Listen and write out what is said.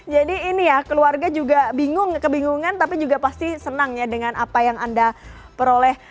jadi ini ya keluarga juga bingung kebingungan tapi juga pasti senang ya dengan apa yang anda peroleh